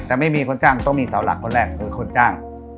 แต่ไม่มีคนจ้างต้องมีเสาหลักคนแรกคือคนจ้าง